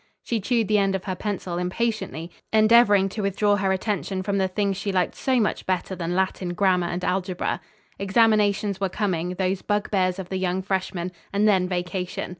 She chewed the end of her pencil impatiently, endeavoring to withdraw her attention from the things she liked so much better than Latin grammar and algebra. Examinations were coming, those bugbears of the young freshman, and then vacation.